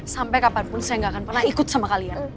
sampai kapanpun saya gak akan pernah ikut sama kalian